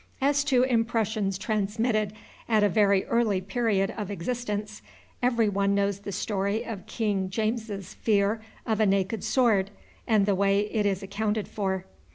As to impressions transmitted at a very early period of existence, every one knows the story of King James's fear of a naked sword, and the way it is accounted for.